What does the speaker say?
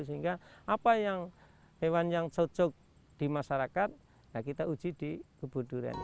sehingga apa yang hewan yang cocok di masyarakat kita uji di kebun durian